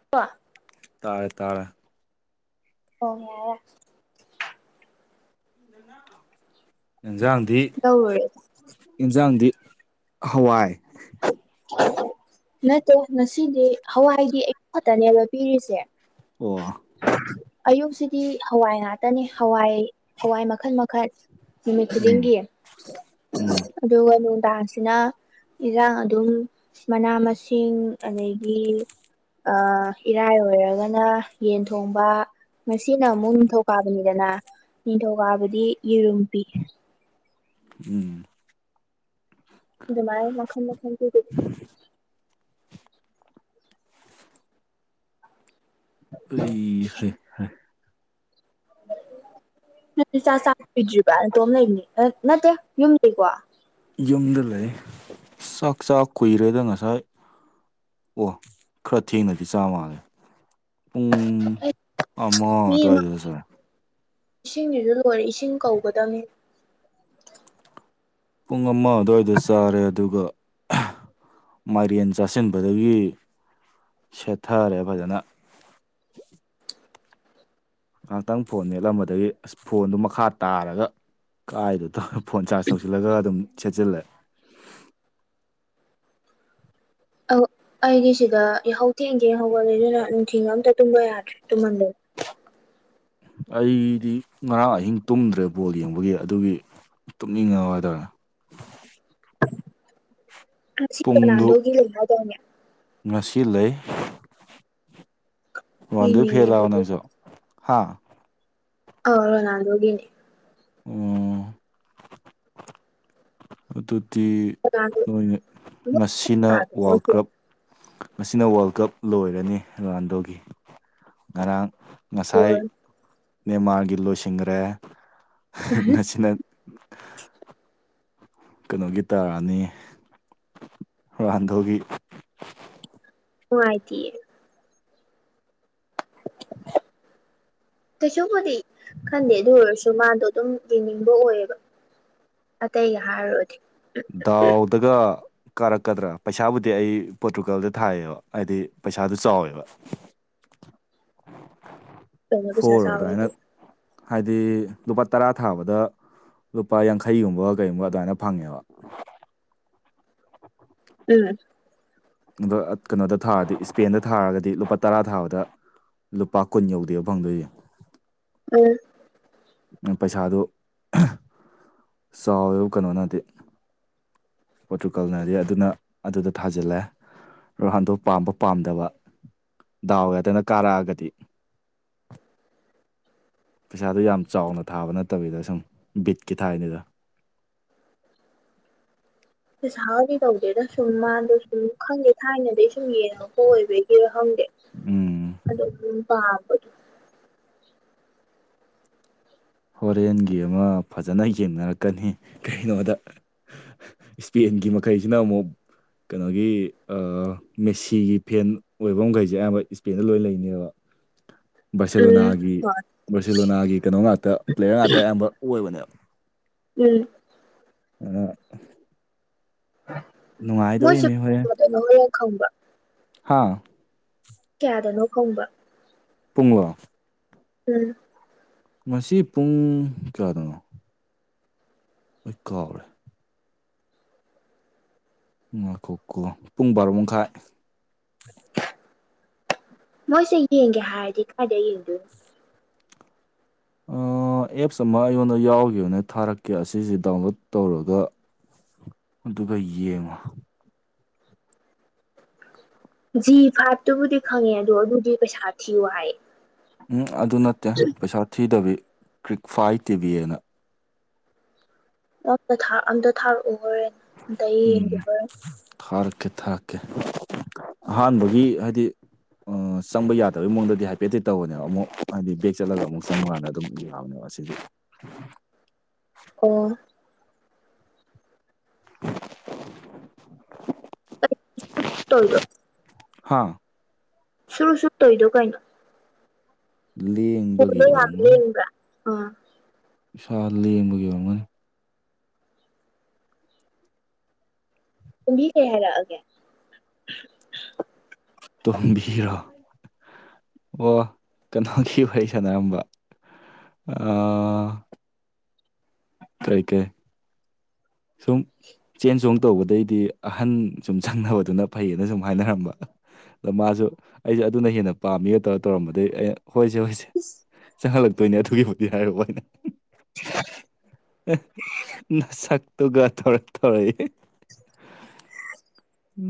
[unintelligible] ꯇꯥꯔꯦ ꯇꯥꯔꯦ ꯑꯣ ꯌꯥꯔꯦ ꯏꯟꯖꯥꯡꯗꯤ ꯇꯧꯔꯨꯔꯦ ꯏꯟꯖꯥꯡꯗꯤ ꯍꯋꯥꯏ [unintelligible] ꯅꯠꯇꯦ ꯉꯁꯤꯗꯤ ꯍꯋꯥꯏꯗꯤ ꯑꯌꯨ ꯈꯛꯇꯅꯦꯕ ꯄꯤꯔꯤꯁꯦ ꯑꯣ ꯑꯌꯨꯛꯁꯤꯗꯤ ꯍꯋꯥꯏ ꯉꯥꯠꯇꯅꯤ ꯍꯋꯥꯏ ꯍꯋꯥꯏ ꯃꯈꯟ ꯃꯈꯟ ꯅꯨꯃꯤꯠ ꯎꯝ ꯈꯨꯗꯤꯡꯒꯤ ꯎꯝ ꯑꯗꯨꯒ ꯅꯨꯡꯗꯥꯡꯁꯤꯅ ꯏꯟꯖꯥꯡ ꯇꯨꯡ ꯃꯅꯥ ꯃꯁꯤꯡ ꯑꯗꯒꯤ ꯑ ꯏꯔꯥꯏ ꯑꯣꯏꯔꯒꯅ ꯌꯦꯟ ꯊꯣꯡꯕ ꯉꯁꯤꯅ ꯑꯃꯨꯛ ꯅꯤꯡꯊꯧꯀꯥꯕꯅꯤꯗꯅ ꯅꯤꯡꯊꯧꯀꯥꯕꯗꯤ ꯌꯦꯔꯨꯝ ꯄꯤ ꯎꯝ ꯑꯗꯨꯃꯥꯏꯅ ꯃꯈꯟ ꯃꯈꯟ ꯄꯤꯗꯣꯏꯕ ꯑꯩ ꯍꯩ ꯍꯥ ꯅꯪ ꯆꯥ ꯆꯥ ꯂꯣꯏꯗ꯭ꯔꯤꯕ ꯅꯇꯣꯝ ꯂꯩꯕꯅꯤ ꯅꯠꯇꯦ ꯌꯨꯝ ꯂꯩꯀꫭ ꯌꯨꯝꯗ ꯂꯩ ꯆꯥꯛ ꯆꯥ ꯀꯨꯏꯔꯦꯗ ꯉꯁꯥꯏ ꯑꯣ ꯈꯔ ꯊꯦꯡꯅꯗꯤ ꯆꯥ ꯃꯥꯟꯂꯦ ꯄꯨꯡ ꯑꯩ ꯑꯃꯥ ꯑꯗꯨꯋꯥꯏꯗꯒ ꯆꯥꯏ ꯏꯁꯤꯡꯖꯤꯖꯨ ꯂꯣꯏꯔꯦ ꯏꯁꯤꯡ ꯀꯧꯒꯗꯝꯅꯤ ꯄꯨꯡ ꯑꯃ ꯑꯗꯨꯋꯥꯏꯗ ꯆꯥꯔꯦ ꯑꯗꯨꯒ [unintelligible] ꯃꯥꯏꯔꯦꯟ ꯆꯥꯁꯤꯟꯕꯗꯒꯤ ꯁꯦꯠꯊꯔꯦ ꯐꯖꯅ ꯉꯍꯥꯛꯇꯪ ꯐꯣꯟ ꯃꯦꯠꯂꯝꯕꯗꯒꯤ ꯑꯁ ꯐꯣꯟꯗꯨ ꯃꯈꯥ ꯇꯥꯔꯒ ꯀꯥꯏꯗꯇ ꯐꯣꯟ ꯆꯥꯔꯖ ꯇꯧꯁꯤꯜꯂꯒ ꯑꯗꯨꯝ ꯁꯦꯠꯆꯤꯜꯂꯦ ꯑꯧ ꯑꯩꯗꯤ ꯁꯤꯗ ꯌꯍꯧ ꯊꯦꯡ ꯊꯦꯡ ꯍꯧꯒꯠꯂꯦ ꯑꯗꯨꯅ ꯅꯨꯡꯊꯤꯜꯒ ꯑꯝꯇ ꯇꯨꯝꯕ ꯌꯥꯗ꯭ꯔꯦ ꯇꯨꯝꯃꯟꯗꯅ ꯑꯩꯗꯤ ꯉꯔꯥꯡ ꯑꯍꯤꯡ ꯇꯨꯝꯗ꯭ꯔꯦ ꯕꯣꯜ ꯌꯦꯡꯕꯒꯤ ꯑꯗꯨꯒꯤ ꯇꯨꯝꯅꯤꯡꯉ ꯍꯥꯏꯇꯥꯔꯦ ꯄꯨꯡꯗꯨ ꯅꯥꯟꯗꯣꯒꯤ ꯂꯩꯒ꯭ꯔꯗꯥꯏꯅꯦ [unintelligible] ꯉꯁꯤ ꯂꯩ ꯔꫭꯅꯥꯟꯗꫭꯏ ꯌꯦꯡꯅꯤꯡꯉꯦ ꯐꯦꯜꯂꯕ ꯑꯗꯨꯗꯤ ꯅꯪꯁꯨ ꯍꯥꯥ ꯑꯧ ꯔꯣꯅꯥꯟꯗꫭꯒꯤꯅꯦ ꯎꯝ ꯑꯗꯨꯗꯤ ꯔꯣꯅꯥꯜꯗꯣ ꯅꯣꯏꯅꯦ ꯉꯁꯤꯅ ꯋꯥꯜ ꯀ꯭ꯔꯞ ꯉꯁꯤꯅ ꯋꯥꯜ ꯀꯞ ꯂꯣꯏꯔꯅꯤ ꯔꯣꯅꯥꯟꯗꯣꯒꯤ ꯉꯔꯥꯡ ꯉꯁꯥꯏ ꯅꯦꯃꯥꯔꯒꯤ ꯂꯣꯏꯁꯤꯟꯒꯔꯦ [unintelligible] ꯉꯁꯤꯅ ꯀꯅꯣꯒꯤ ꯇꯥꯅꯤ ꯔꯥꯑꯥꯟꯗꫭꯒꯤ ꯅꯨꯉꯥꯏꯇꯤꯌꯦ ꯀꯩꯁꯨꯕꯨꯗꯤ ꯈꯟꯗꯦ ꯑꯗꯨ ꯑꯣꯏꯔꯁꯨ ꯃꯥꯗꯣ ꯑꯗꯨꯝ ꯌꯦꯡꯅꯤꯡꯕ ꯑꯣꯏꯌꯦꯕ ꯑꯇꯩꯒ ꯍꯥꯏꯔꯨꯔꯗꯤ꯫ ꯗꯥꯎꯗꯒ ꯀꯥꯔꯛꯀꯗ꯭ꯔꯥ ꯄꯩꯁꯥꯕꯨꯗꯤ ꯑꯩ ꯄꯣꯔꯇꯨꯒꯥꯜꯗ ꯊꯥꯏꯌꯦꯕ ꯍꯥꯏꯗꯤ ꯄꯩꯁꯥꯗꯨ ꯆꯥꯎꯋꯦꯕ꯫ [inaudible] ꯄꯩꯁꯥ ꯐꯣꯔ ꯑꯗꯨꯃꯥꯏꯅ꯫ ꯆꯥꯎꯋꯦꯗꯣ ꯍꯥꯏꯗꯤ ꯂꯨꯄꯥ ꯇꯔꯥ ꯊꯥꯕꯗ ꯂꯨꯄꯥ ꯌꯥꯡꯈꯩꯒꯨꯝꯕ ꯀꯩꯒꯨꯝꯕ ꯑꯗꯨꯃꯥꯏꯅ ꯐꯪꯉꯦꯕ꯫ ꯎꯝ꯫ ꯀꯩꯅꯣꯗ ꯊꯥꯔꯗꯤ ꯏꯁꯄꯦꯟꯗ ꯊꯥꯔꯒꯗꯤ ꯂꯨꯄꯥ ꯇꯔꯥ ꯊꯥꯕꯗ ꯂꯨꯄꯥ ꯀꯨꯟ ꯌꯧꯗꯦꯕ ꯐꯪꯗꯣꯏꯁꯦ꯫ ꯎꯝ꯫ ꯄꯩꯁꯥꯗꯨ ꯆꯥꯎꯋꯦꯕ ꯀꯩꯅꯣꯅꯗꯤ꯫ ꯄꯣꯇꯨꯀꯜꯅꯗꯤ ꯑꯗꯨꯅ ꯑꯗꯨꯗ ꯊꯥꯖꯤꯜꯂꯦ꯫ ꯔꯣꯅꯥꯟꯗꯣ ꯄꯥꯝꯕ ꯄꯥꯝꯗꯕ ꯗꯥꯎ ꯌꯥꯗꯅ ꯀꯥꯔꯛꯑꯒꯗꯤ꯫ ꯄꯩꯁꯥꯗꯨ ꯌꯥꯝ ꯆꯥꯎꯅ ꯊꯥꯕ ꯅꯠꯇꯕꯤꯗ ꯁꯨꯝ ꯕꯤꯠꯀꯤ ꯊꯥꯏꯅꯤꯗ꯫ ꯄꯩꯁꯥꯒꯗꯤ ꯇꯧꯗꯦꯗ ꯁꯨꯝ ꯃꯥꯗꯣ ꯁꯨꯝ ꯈꯪꯗꯦ ꯊꯥꯏꯅꯗꯒꯤ ꯁꯨꯝ ꯌꯦꯡꯉ ꯍꯣꯏ [unintelligible] ꯕꯒꯤꯔꯥ ꯈꯪꯗꯦ꯫ ꯎꯝ꯫ [unintelligible] ꯍꯣꯔꯦꯟꯒꯤ ꯑꯃ ꯐꯖꯅ ꯌꯦꯡꯅꯔꯛꯀꯅꯤ ꯀꯩꯅꯣꯗ꯫ ꯏꯁꯄꯦꯟꯒꯤ ꯃꯈꯩꯁꯤꯅ ꯑꯃꯨꯛ ꯀꯩꯅꯣꯒꯤ ꯃꯦꯁꯤꯒꯤ ꯐꯦꯟ ꯑꯣꯏꯕ ꯃꯈꯩꯁꯦ ꯑꯌꯥꯝꯕ ꯏꯁꯄꯦꯟꯗ ꯂꯣꯏ ꯂꯩꯅꯦꯕ꯫ [inaudible] ꯕꯥꯔꯁꯦꯂꯣꯅꯥꯒꯤ ꯍꯣꯏ ꯕꯥꯔꯁꯦꯂꯣꯅꯥꯒꯤ ꯀꯩꯅꯣ ꯉꯥꯛꯇ ꯄ꯭ꯂꯦꯌꯔ ꯉꯥꯛꯇ ꯑꯌꯥꯝꯕ ꯑꯣꯏꯕꯅꯦꯕ꯫ ꯎꯝ꯫ [unintelligible] ꯅꯨꯡꯉꯥꯏꯗꯣꯔꯤ ꯃꯤ ꯍꯣꯔꯦꯟ꯫ [unintelligible] ꯈꯪꯕꯔꯥ꯫ ꯍꯥꯥ꯫ ꯀꯌꯥꯗꯅꯣ ꯈꯪꯕꯔꯣ꯫ ꯄꯨꯡꯂꯣ꯫ ꯎꯝ꯫ ꯉꯁꯤ ꯄꯨꯡ ꯀꯌꯥꯗꯅꯣ꯫ ꯑꯩ ꯀꯥꯎꯒꯔꯦ꯫ ꯉꯥꯏꯈꯣ ꯀꯣ ꯄꯨꯡ ꯕꯥꯔꯣ ꯃꯈꯥꯏ꯫ ꯃꯣꯏꯁꯦ ꯌꯦꯡꯒꯦ ꯍꯥꯏꯔꯗꯤ ꯀꯗꯥꯥꯏꯗ ꯌꯦꯡꯗꯣꯏꯅꯣ꯫ ꯑ ꯑꯦꯞꯁ ꯑꯃ ꯑꯩꯉꯣꯟꯗ ꯌꯥꯎꯈꯤꯕꯅꯦ ꯊꯥꯔꯛꯀꯦ ꯑꯁꯤꯁꯦ ꯗꯥꯎꯟꯂꯣꯗ ꯇꯧꯔꯒ꯫ ꯑꯗꯨꯒ ꯌꯦꯡꯉꯣ꯫ ꯖꯤ ꯐꯥꯏꯚꯇꯨꯕꯨꯗꯤ ꯈꯪꯉꯦ ꯑꯗꯣ ꯑꯗꯨꯗꯤ ꯄꯩꯁꯥ ꯊꯤꯌꯨ ꯍꯥꯏ꯫ ꯎꯝ ꯑꯗꯨ ꯅꯠꯇꯦ ꯄꯩꯁꯥ ꯊꯤꯗꯕꯤ ꯀ꯭ꯔꯤꯛ ꯐꯥꯏ ꯇꯤꯕꯤꯅ꯫ [unintelligible] ꯑꯝꯇ ꯊꯥ ꯑꯝꯇ ꯊꯥꯔꯛꯑꯣ ꯍꯣꯔꯦꯟ ꯑꯝꯇ ꯌꯦꯡꯒꯦ ꯎꯝ ꯍꯣꯔꯦꯟ꯫ ꯊꯥꯔꯛꯀꯦ ꯊꯥꯔꯛꯀꯦ ꯑꯍꯥꯟꯕꯒꯤ ꯍꯥꯏꯗꯤ ꯑ ꯆꯪꯕ ꯌꯥꯗꯕꯩ ꯃꯑꯣꯡꯗꯗꯤ ꯍꯥꯏꯐꯦꯠꯇꯤ ꯇꯧꯕꯅꯦꯕ ꯑꯃꯨꯛ ꯍꯥꯏꯗꯤ ꯕꯦꯛ ꯆꯠꯂꯒ ꯑꯃꯨꯛ ꯆꯪꯕꯀꯥꯟꯗ ꯑꯗꯨꯝ ꯌꯥꯕꯅꯦꯕ꯫ ꯑꯁꯤꯗꯤ꯫ ꯑꯣ꯫ [inaudible] ꯇꯣꯏꯗꯣ꯫ ꯍꯥ ꯁꯨꯔꯨ ꯁꯨꯔꯨ ꯇꯧꯏꯗꯣ ꯀꯩꯅꯣ ꯂꯦꯡ ꯐꯣꯟꯗꯣ ꯌꯥꯝ ꯂꯦꯡꯕ꯭ꯔ ꯑ ꯏꯁꯥ ꯂꯦꯡꯕꯒꯤ ꯑꯣꯏꯔꯝꯒꯅꯤ [unintelligible] ꯕꯤ ꯀꯩ ꯍꯥꯏꯔꯛꯑꯒꯦ ꯇꯣꯝꯕꯤꯔꯣ ꯑꯣ ꯀꯩꯅꯣꯒꯤ ꯋꯥꯔꯤ ꯁꯥꯟꯅꯔꯝꯕ ꯑ ꯀꯩ ꯀꯩ ꯁꯨꯝ ꯆꯦꯟ ꯆꯣꯡ ꯇꯧꯕꯗꯩꯗꯤ ꯑꯍꯟ ꯁꯨꯝ ꯆꯪꯅꯕꯗꯨꯅ ꯐꯩꯌꯦꯅ ꯁꯨꯝ ꯍꯥꯏꯅꯔꯝꯕ ꯑꯗ ꯃꯥꯁꯨ ꯑꯩꯁꯨ ꯑꯗꯨꯅ ꯍꯦꯟꯅ ꯄꯥꯝꯃꯤꯒ ꯇꯧꯔ ꯇꯧꯔꯝꯕꯗꯩ ꯑꯩꯩꯅ ꯍꯣꯏꯁꯦ ꯍꯣꯏꯁꯦ ꯆꯪꯍꯜꯂꯛꯇꯣꯏꯅꯦ ꯑꯗꯨꯒꯤꯕꯨꯗꯤ ꯍꯥꯏꯔꯨꯕ ꯑꯩꯅ ꯑꯦ ꯅꯁꯛꯇꯨꯒ ꯇꯧꯔ ꯇꯧꯔꯛꯑꯦ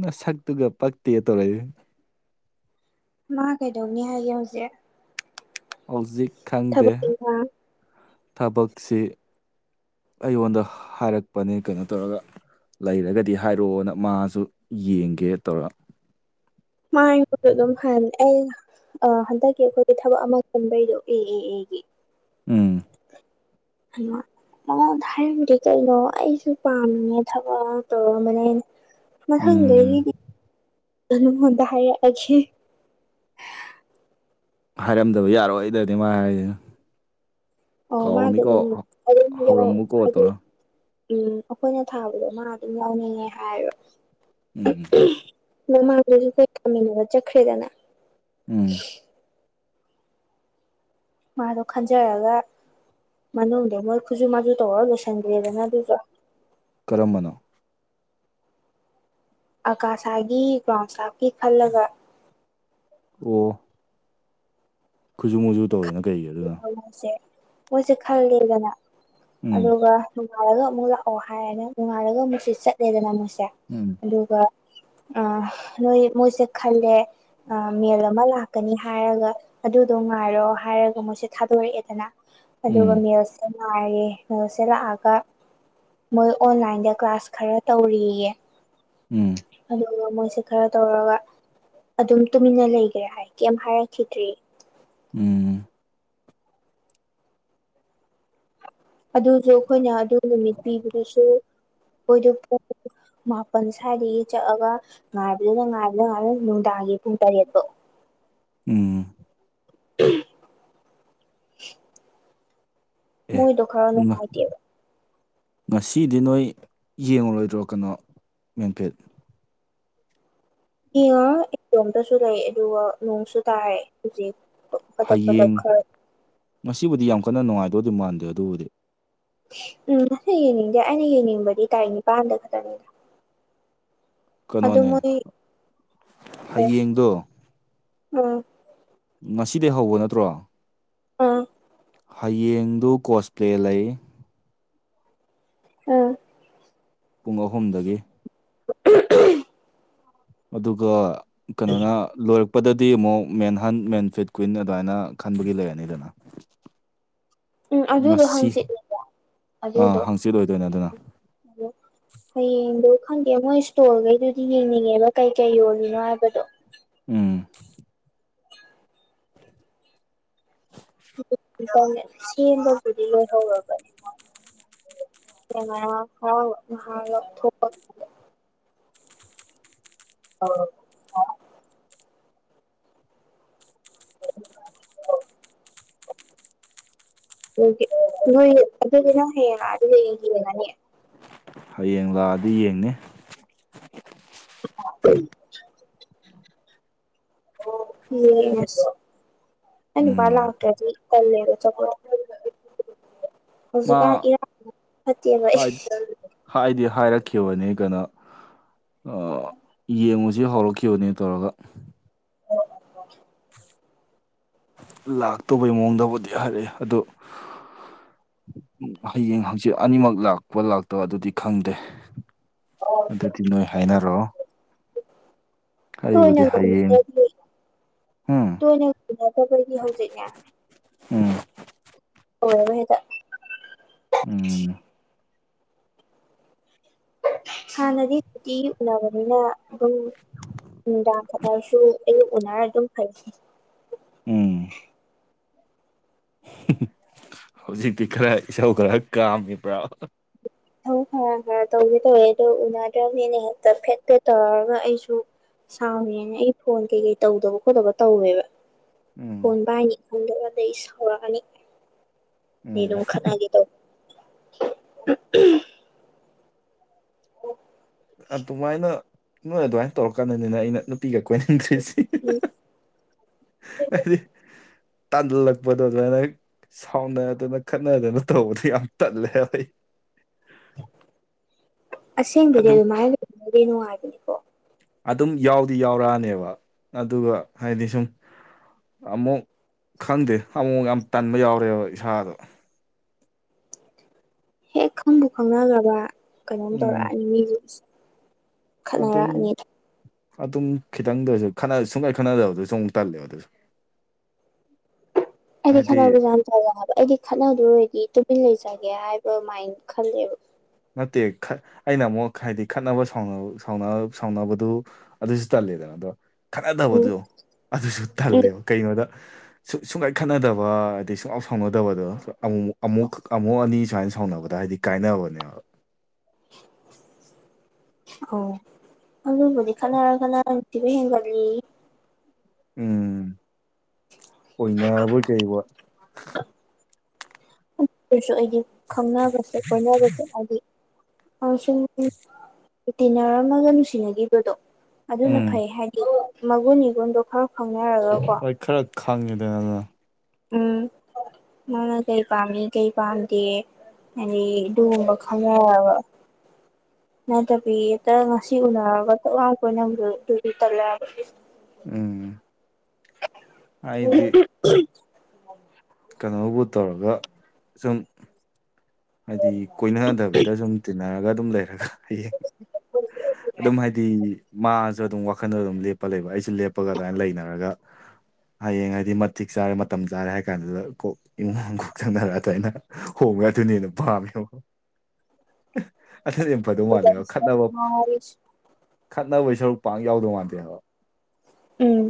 ꯅꯁꯛꯇꯨꯒ ꯄꯛꯇꯦ ꯇꯧꯔꯛꯏ ꯃꯥ ꯀꯩꯗꯧꯅꯤ ꯍꯥꯏꯒꯦ ꯍꯧꯖꯤꯛ ꯍꯧꯖꯤꯛ ꯈꯪꯗꯦ ꯊꯕꯛ ꯏꯪꯈꯥꯡ ꯊꯕꯛꯁꯤ ꯑꯩꯉꯣꯟꯗ ꯍꯥꯏꯔꯛꯄꯅꯦ ꯀꯩꯅꯣ ꯇꯧꯔꯒ ꯂꯩꯔꯒꯗꯤ ꯍꯥꯏꯔꯛꯑꯣꯅ ꯃꯥꯁꯨ ꯌꯦꯡꯒꯦ ꯇꯧꯔ ꯃꯥ ꯑꯩꯉꯣꯟꯗ ꯑꯗꯨꯝ ꯍꯥꯏꯕꯅꯦ ꯑꯩꯅ ꯑ ꯍꯟꯗꯛꯀꯤ ꯑꯩꯈꯣꯏꯒꯤ ꯊꯕꯛ ꯑꯃ ꯈꯟꯕꯩꯗꯣ ꯑꯦ ꯑꯦ ꯑꯦꯒꯤ ꯎꯝ ꯍꯥꯜꯂꯣ ꯃꯥꯉꯣꯟꯗ ꯍꯥꯏꯔꯝꯗꯦ ꯀꯩꯅꯣ ꯑꯩꯁꯨ ꯄꯥꯝꯃꯤꯅꯦ ꯊꯕꯛ ꯑꯃ ꯇꯧꯔꯝꯕꯅꯦ ꯎꯝ ꯃꯊꯪꯗꯒꯤꯗꯤ ꯅꯉꯣꯟꯗ ꯍꯥꯏꯔꯛꯑꯒꯦ ꯍꯥꯏꯔꯝꯗꯕ ꯌꯥꯔꯣꯏꯗꯅꯤ ꯃꯥ ꯍꯥꯏꯁꯦ ꯑ ꯃꯥꯗꯣ ꯑꯗꯨꯝ [unintelligible] ꯍꯧꯔꯝꯃꯨꯀꯣ ꯍꯥꯏꯗꯤ ꯇꯧꯔ ꯎꯝ ꯑꯩꯈꯣꯏꯅ ꯊꯥꯕꯗꯣ ꯃꯥ ꯑꯗꯨꯝ ꯌꯥꯎꯅꯤꯡꯉꯦ ꯍꯥꯏꯕ ꯎꯝ ꯃꯃꯥꯡꯗꯁꯨ ꯈꯣꯏ ꯊꯥꯃꯤꯟꯅꯕ ꯆꯠꯈ꯭ꯔꯦꯗꯅ ꯎꯝ ꯃꯥꯗꯣ ꯈꯟꯖꯔꯒ ꯃꯅꯨꯡꯗ ꯃꯣꯏ ꯈꯨꯖꯨ ꯃꯖꯨ ꯇꯧꯔꯒ ꯂꯣꯏꯁꯟꯒ꯭ꯔꯦꯗꯅ ꯑꯗꯨꯁꯨ ꯀꯔꯝꯕꯅꯣ ꯑꯀꯥꯁꯥꯒꯤ ꯒ꯭ꯔꯥꯎꯟꯁꯇꯥꯐꯀꯤ ꯈꯜꯂꯒ ꯑꯣ ꯈꯨꯖꯨ ꯃꯨꯖꯨ ꯇꯧꯔꯤꯅ ꯀꯩꯒꯤ ꯑꯗꯨꯅ ꯃꯣꯏꯁꯦ ꯃꯣꯏꯁꯦ ꯈꯜꯂꯦꯗꯅ ꯎꯝ ꯑꯗꯨꯒ ꯅꯣꯡꯉꯥꯜꯂꯒ ꯑꯃꯨꯛ ꯂꯥꯛꯑꯣ ꯍꯥꯏꯔꯦꯅ ꯅꯨꯡꯉꯥꯜꯂꯒ ꯑꯃꯨꯛꯁꯦ ꯆꯠꯂꯦꯗꯅ ꯃꯣꯏꯁꯦ ꯎꯝ ꯑꯗꯨꯒ ꯑ ꯅꯣꯏ ꯃꯣꯏꯁꯦ ꯈꯜꯂꯦ ꯑ ꯃꯦꯜ ꯑꯃ ꯂꯥꯛꯀꯅꯤ ꯍꯥꯏꯔꯒ ꯑꯗꯨꯗꯣ ꯉꯥꯏꯔꯣ ꯍꯥꯏꯔ ꯃꯣꯏꯁꯦ ꯊꯥꯗꯣꯔꯛꯑꯦꯗꯅ ꯑꯗꯨꯒ ꯎꯝ ꯃꯦꯜꯁꯦ ꯉꯥꯏꯔꯦ ꯃꯦꯜꯁꯦ ꯂꯥꯛꯑꯒ ꯃꯣꯏ ꯑꯣꯟꯂꯥꯏꯟꯗ ꯀ꯭ꯂꯥꯁ ꯈꯔ ꯇꯧꯔꯤꯌꯦ ꯎꯝ ꯑꯗꯨꯒ ꯃꯣꯏꯁꯦ ꯈꯔ ꯇꯧꯔꯒ ꯑꯗꯨꯝ ꯇꯨꯃꯤꯟꯅ ꯂꯩꯒꯔꯦ ꯍꯥꯏ ꯀꯦꯝ ꯍꯥꯏꯔꯛꯈꯤꯗ꯭ꯔꯦ ꯎꯝ ꯑꯗꯨꯖꯨ ꯈꯣꯏꯅ ꯑꯗꯨ ꯅꯨꯃꯤꯠ ꯄꯤꯕꯗꯨꯁꯨ ꯑꯣꯏꯗꯣꯞ [unintelligible] ꯃꯥꯄꯜ ꯁꯥꯏꯗꯒꯤ ꯆꯠꯑꯥꯒ ꯉꯥꯏꯕꯗꯨꯅ ꯉꯥꯏꯕꯗꯨꯅ ꯉꯥꯏꯕꯗꯨꯅ ꯅꯨꯡꯗꯥꯡꯒꯤ ꯄꯨꯡ ꯇꯔꯦꯠ ꯄꯥꯎ꯫ ꯎꯝ꫰ [unintelligible] ꯑꯦ ꯃꯣꯏꯗꯣ ꯈꯔ ꯅꯨꯡꯉꯥꯏꯇꯦꯕ꯫ ꯉꯁꯤꯗꯤ ꯅꯣꯏ ꯌꯦꯡꯉꯔꯣꯏꯗ꯭ꯔꯣ ꯀꯅꯣ ꯃꯦꯟꯐꯤꯠ꯫ ꯌꯦꯡꯉꯔꯣꯏ ꯏꯇꯣꯝꯇꯁꯨ ꯂꯩ ꯑꯗꯨꯒ ꯅꯣꯡꯁꯨ ꯇꯥꯏ ꯍꯨꯖꯤꯛ꯫ ꯍꯌꯦꯡ ꯉꯁꯤꯕꯨꯗꯤ ꯌꯥꯝ ꯀꯟꯅ ꯅꯨꯡꯉꯥꯏꯗꯣꯗꯤ ꯃꯥꯟꯗꯦ ꯑꯗꯨꯕꯨꯗꯤ꯫ ꯎꯝ ꯑꯩ ꯌꯦꯡꯅꯤꯡꯗꯦ ꯑꯩꯅ ꯌꯦꯡꯅꯤꯡꯕꯗꯤ ꯇꯥꯔꯤꯛ ꯅꯤꯄꯜꯗ ꯈꯠꯇꯅꯤ꯫ ꯀꯅꯣꯅꯦ ꯃꯣꯏ ꯍꯌꯦꯡꯗꯣ꫰ ꯎꯝ ꯉꯁꯤꯗꯩꯏ ꯍꯧꯕ ꯅꯠꯇ꯭ꯔꯣ꯫ ꯑꯥ꯫ ꯍꯌꯦꯡꯗꯣ ꯀꯣꯁꯄ꯭ꯂꯦ ꯂꯩꯏ꯫ ꯎꯝ꯫ ꯄꯨꯡ ꯑꯍꯨꯝꯗꯒꯤ꯫ ꯑꯗꯨꯒ ꯀꯅꯣꯅ꫰ ꯂꯣꯏꯔꯛꯄꯗꯗꯤ ꯑꯃꯨꯛ ꯃꯦꯟꯍꯟ ꯃꯦꯟꯐꯤꯠ ꯀ꯭ꯋꯏꯤꯟ ꯑꯗꯥꯏꯅ ꯈꯟꯕꯒꯤ ꯂꯩꯔꯅꯤꯗꯅ꯫ ꯎꯝ ꯑꯗꯨꯗꯣ ꯉꯁꯤ ꯍꯪꯆꯤꯠꯅꯦꯕ ꯑꯗꯨꯗꯣ꫰ ꯑꯥ ꯍꯥꯡꯆꯤꯠ ꯑꯣꯏꯗꯣꯏꯅꯦ ꯑꯗꯨꯅ [unintelligible] ꯍꯌꯦꯡꯗꯣ ꯈꯪꯗꯦ ꯃꯣꯏ ꯏꯁ꯭ꯇꯣꯜꯉꯩ ꯗꯨꯗꯤ ꯌꯦꯡꯅꯤꯡꯉꯦꯕ ꯀꯩ ꯀꯩ ꯌꯣꯜꯂꯤꯅꯣ ꯍꯥꯏꯕꯗꯣ꯫ ꯎꯝ꯫ [unintelligible] ꯁꯦꯝꯕꯕꯨꯗꯤ ꯂꯣꯏꯍꯧꯔꯕꯅꯤ꯫ [unintelligible] [unintelligible] [unintelligible] [unintelligible] ꯅꯣꯏꯒꯤ ꯑꯗꯨꯗꯤ ꯅꯪ ꯍꯌꯦꯡ ꯑꯥꯗ ꯂꯩ [unintelligible] ꯍꯌꯦꯡ ꯂꯥꯑꯗꯤ ꯌꯦꯡꯅꯤ꯫ [unintelligible] ꯌꯦꯡꯉꯁꯤ ꯑꯩ ꯅꯨꯄꯥ ꯎꯝ ꯂꯥꯛꯇ꯭ꯔꯗꯤ꯫ ꯇꯜꯂꯦꯗꯣ ꯆꯠꯄ ꯗꯣ [unintelligible] ꯍꯧꯖꯤꯛꯀꯥꯟ ꯃꯥ ꯏꯔꯥꯡ ꯐꯠꯇꯦꯕ ꯑꯩ ꯍꯥꯏ ꯍꯥꯏꯗꯤ ꯍꯥꯏꯔꯛꯈꯤꯕꯅꯤ ꯀꯅꯣ ꯑ ꯌꯦꯡꯉꯨꯖꯤ ꯍꯧꯔꯛꯈꯤꯕꯅꯦ ꯇꯧꯔꯒ [unintelligible] ꯂꯥꯛꯇꯧꯕꯩ ꯃꯑꯣꯡꯗꯕꯨꯗꯤ ꯍꯥꯏꯔꯑꯦ ꯑꯗꯨ ꯎ ꯍꯌꯦꯡ ꯍꯪꯆꯤꯠ ꯑꯅꯤꯃꯛ ꯂꯥꯛꯄ ꯂꯥꯛꯇꯕ ꯑꯗꯨꯗꯤ ꯈꯪꯗꯦ ꯑꯗꯨꯗꯤ ꯅꯣꯏ ꯍꯥꯏꯅꯔꯣ ꯑꯩꯕꯨꯗꯤ ꯇꯣꯏꯅꯒ ꯍꯌꯦꯡ ꯎꯅꯗ ꯎꯝ ꯇꯣꯏꯅꯒ ꯎꯅꯗꯕꯒꯤ ꯍꯧꯖꯤꯛꯅꯦ ꯎꯝ ꯑꯣꯏꯔꯔꯣꯏ ꯍꯦꯇ ꯎꯝ ꯍꯥꯟꯅꯗꯤ ꯇꯤꯌꯨ ꯎꯅꯕꯅꯤꯅ ꯑꯗꯨꯝ ꯅꯨꯡꯗꯥꯡ ꯈꯠꯅꯔꯁꯨ ꯑꯌꯨꯛ ꯎꯅꯔ ꯑꯗꯨꯝ ꯐꯩ ꯎꯝ ꯍꯧꯖꯤꯛꯇꯤ ꯈꯔ ꯏꯁꯧ ꯈꯔ ꯀꯥꯝꯃꯤꯕ꯭ꯔꯥ ꯏꯁꯧ ꯈꯔ ꯈꯔ ꯇꯧꯒꯦ ꯇꯧꯋꯦ ꯑꯗꯨ ꯎꯅꯗ꯭ꯔꯕꯅꯤꯅ ꯍꯦꯛꯇ ꯐꯦꯠ ꯐꯦꯠ ꯇꯧꯔꯒ ꯑꯩꯁꯨ ꯁꯥꯎꯔꯤꯅꯦꯅ ꯑꯩ ꯐꯣꯟ ꯀꯩꯀꯩ ꯇꯧꯗꯕ ꯈꯣꯠꯇꯕ ꯇꯧꯋꯦꯕ ꯎꯝ ꯐꯣꯟꯕ ꯄꯥꯏꯅꯤ ꯈꯪꯗꯕ ꯑꯗꯩꯩ ꯁꯥꯎꯔꯛꯑꯅꯤ ꯑꯗꯩꯩ ꯎꯝ ꯑꯗꯨꯝ ꯈꯠꯅꯒꯦ ꯇꯩꯕ ꯑꯣ ꯑꯗꯨꯃꯥꯏꯅ ꯅꯣꯏ ꯑꯗꯨꯃꯥꯏꯅ ꯇꯧꯔꯀꯥꯟꯗꯅꯤꯅ ꯑꯩꯅ ꯅꯨꯄꯤꯒ ꯀꯣꯏꯅꯤꯡꯗ꯭ꯔꯤꯁꯤ ꯎꯝ ꯍꯥꯏꯗꯤ ꯇꯟꯖꯟꯂꯛꯄꯗꯣ ꯑꯗꯨꯃꯥꯏꯅ ꯁꯥꯎꯅꯗꯅ ꯈꯠꯅꯗꯅ ꯇꯧꯕꯗꯨ ꯌꯥꯝ ꯇꯜꯂꯦꯕ ꯑꯩ ꯑꯁꯦꯡꯕꯗꯤ ꯑꯗꯨꯝ ꯑꯗꯨꯃꯥꯏ ꯇꯧ [unintelligible] ꯅꯨꯉꯥꯏꯕꯅꯤ ꯑꯗꯨꯝ ꯌꯥꯎꯗꯤ ꯌꯥꯎꯔꯛꯑꯅꯦꯕ ꯑꯗꯨꯒ ꯍꯥꯏꯗꯤ ꯁꯨꯝ ꯑꯃꯨꯛ ꯈꯪꯗꯦ ꯑꯃꯨꯛꯃꯨꯛ ꯌꯥꯝ ꯇꯟꯕ ꯌꯥꯎꯔꯦꯕ ꯏꯁꯥꯗꯣ ꯍꯦꯛ ꯈꯪꯕꯨ ꯈꯪꯅꯈ꯭ꯔꯕ ꯀꯩꯅꯣꯝ ꯎꯝ ꯇꯧꯔꯛꯑꯅꯤ ꯃꯤꯖꯤꯡꯁꯦ ꯑꯗꯨꯝ ꯑꯗꯨꯝ ꯈꯤꯇꯪꯗꯁꯨ ꯈꯠꯅ ꯁꯨꯡꯈꯠ ꯈꯠꯅꯗꯕꯗꯁꯨ ꯑꯃꯨꯛ ꯇꯜꯂꯦꯕ ꯑꯗꯨꯁꯨ [inaudible] ꯑꯩꯗꯤ ꯍꯥꯏꯗꯤ ꯈꯠꯅꯕꯁꯦ ꯌꯥꯝ ꯇꯟꯂꯦ ꯍꯥꯏꯕ ꯑꯩꯗꯤ ꯈꯠꯅꯗꯣꯏ ꯑꯣꯏꯔꯥꯗꯤ ꯇꯨꯃꯤꯟ ꯂꯩꯖꯒꯦ ꯍꯥꯏꯕ ꯃꯥꯏꯟ ꯈꯜꯂꯦꯕ ꯅꯠꯇꯦ ꯈꯠ ꯑꯩꯅ ꯑꯃꯨꯛ ꯍꯥꯏꯗꯤ ꯈꯠꯅꯕ ꯁꯥꯎꯅꯕ ꯁꯥꯎꯅꯕꯗꯨ ꯑꯗꯨꯁꯨ ꯇꯜꯂꯦꯗꯅ ꯑꯗꯣ ꯎꯝ ꯈꯠꯅꯗꯕꯗꯣ ꯑꯗꯨꯁꯨ ꯎꯝ ꯇꯜꯂꯦꯕ ꯀꯩꯅꯣꯗ ꯁꯨꯡ ꯁꯨꯡꯈꯠ ꯈꯠꯅꯗꯕ ꯁꯨꯡꯁꯥꯎ ꯁꯥꯎꯅꯗꯕꯗꯣ ꯑꯃꯨ ꯑꯃꯨꯛ ꯑꯃꯨꯛ ꯑꯅꯤ ꯁꯨꯃꯥꯏꯅ ꯁꯥꯎꯅꯕꯗ ꯍꯥꯏꯗꯤ ꯀꯥꯏꯅꯕꯅꯦꯕ [inaudible] ꯑꯣ ꯑꯗꯨꯕꯨꯗꯤ ꯈꯠꯅꯔ ꯈꯠꯅꯔ ꯅꯨꯡꯁꯤꯕ ꯍꯦꯟꯒꯠꯂꯦꯌꯦ ꯎꯝ ꯑꯣꯏꯅꯕꯣꯏ ꯀꯩꯕꯣꯏ ꯑꯗꯨꯁꯨ ꯑꯩꯗꯤ ꯈꯪꯅꯕꯁꯦ ꯀꯣꯏꯅꯕꯁꯦ ꯍꯥꯏꯗꯤ ꯑꯃꯁꯨꯡ ꯇꯤꯟꯅꯔꯝꯃꯒ ꯅꯨꯡꯁꯤꯅꯈꯤꯕꯗꯣ ꯑꯗꯨꯅ ꯎꯝ ꯐꯩ ꯍꯥꯏꯗꯤ ꯃꯒꯨꯟ ꯏꯒꯨꯟꯗꯣ ꯈꯔ ꯈꯪꯅꯔꯒꯀꯣ ꯍꯣꯏ ꯈꯔ ꯈꯪꯉꯤꯗꯅ ꯑꯗꯨꯅꯥ ꯎꯝ ꯃꯥꯅ ꯀꯩ ꯄꯥꯝꯃꯤ ꯀꯩ ꯄꯥꯝꯗꯦ ꯍꯥꯏꯗꯤ ꯑꯗꯨꯒꯨꯝꯕ ꯈꯪꯅꯔꯒꯥ ꯅꯠꯇꯕꯤ ꯍꯦꯛꯇ ꯉꯁꯤ ꯎꯅꯔꯒ ꯊꯛ ꯂꯥꯎꯅ ꯀꯣꯏꯅꯕꯗꯣ ꯑꯗꯨꯗꯤ ꯇꯜꯂꯦ ꯍꯥꯏꯕ ꯎꯝ ꯑꯩꯗꯤ ꯀꯩꯅꯣꯕꯨ ꯇꯧꯔꯒ ꯁꯨꯝ ꯍꯥꯏꯗꯤ ꯀꯣꯏꯅꯗꯕꯤꯗ ꯁꯨꯝ ꯇꯤꯟꯅꯔꯒ ꯑꯗꯨꯝ ꯂꯩꯔꯒ ꯍꯌꯦꯡ ꯑꯗꯨꯝ ꯍꯥꯏꯗꯤ ꯃꯥꯁꯨ ꯑꯗꯨꯝ ꯋꯥꯈꯜꯗ ꯑꯗꯨꯝ ꯂꯦꯞꯄ ꯂꯩꯕ ꯑꯩꯁꯨ ꯂꯦꯞꯄꯒ ꯑꯗꯨꯃꯥꯏꯅ ꯂꯩꯅꯔꯒ ꯍꯌꯦꯡ ꯍꯥꯏꯗꯤ ꯃꯇꯤꯛ ꯆꯥꯔꯦ ꯃꯇꯝ ꯆꯥꯔꯦ ꯍꯥꯏ ꯀꯥꯟꯗꯨꯗ ꯀꯣꯛ ꯏꯃꯨꯡ ꯃꯅꯨꯡ ꯀꯣꯛ ꯆꯪꯅꯔ ꯑꯗꯨꯃꯥꯏꯅ ꯍꯣꯡꯉ ꯑꯗꯨꯅ ꯍꯦꯟꯅ ꯄꯥꯝꯃꯦꯕꯥ ꯑꯗꯨꯅꯥ ꯍꯦꯟꯅꯥ ꯐꯗꯧ ꯃꯜꯂꯦꯕ ꯈꯠꯅꯕ ꯈꯠꯅꯕꯩ ꯁꯔꯨꯛ ꯄꯥꯛ ꯌꯥꯎꯗꯧ ꯃꯥꯟꯗꯦ ꯍꯥꯏꯕꯥ ꯎꯝ